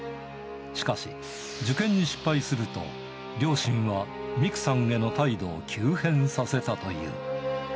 しかし、受験に失敗すると、両親はミクさんへの態度を急変させたという。